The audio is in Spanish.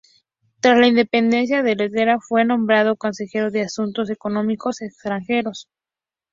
Tras la independencia de Letonia, fue nombrado "Consejero de Asuntos Económicos Extranjeros".